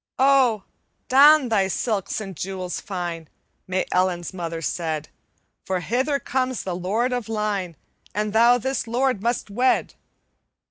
"'Oh, don thy silks and jewels fine,' May Ellen's mother said, 'For hither comes the Lord of Lyne And thou this lord must wed.'